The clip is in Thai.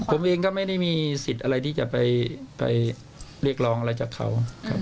ผมเองก็ไม่ได้มีสิทธิ์อะไรที่จะไปเรียกร้องอะไรจากเขาครับ